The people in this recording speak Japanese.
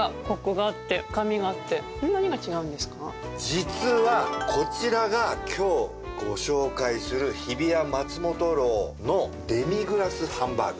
実はこちらが今日ご紹介する日比谷松本楼のデミグラスハンバーグ。